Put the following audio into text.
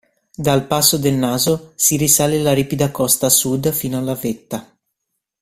Dal passo del Naso si risale la ripida costa sud fino alla vetta.